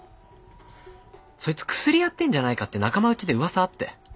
そいつクスリやってんじゃないかって仲間うちで噂あって。